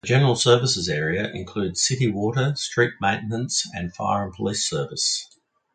The general services area includes city water, street maintenance and fire and police service.